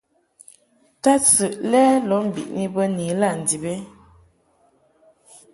Tadsɨʼ lɛ lɔʼ mbiʼni bə ni ilaʼ ndib ɛ ?